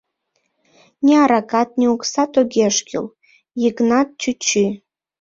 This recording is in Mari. Ни аракат, ни оксат огеш кӱл, Йыгнат чӱчӱ...